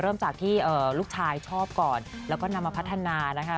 เริ่มจากที่ลูกชายชอบก่อนและแผ่นลูกชายเตเปรียกตูเนี่ย